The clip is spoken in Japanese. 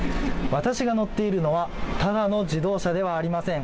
私が乗っているのはただの自動車ではありません。